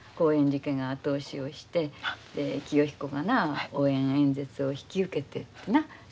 寺家が後押しをして清彦がな応援演説を引き受けてなっ？